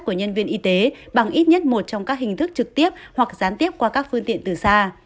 của nhân viên y tế bằng ít nhất một trong các hình thức trực tiếp hoặc gián tiếp qua các phương tiện từ xa